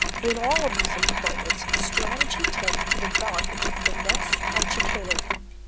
In all of these employments strategy tends to develop into finesse and chicanery.